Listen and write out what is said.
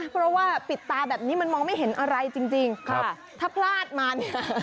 เพราะว่าปิดตาแบบนี้มันมองไม่เห็นอะไรจริงถ้าพลาดมาเนี่ย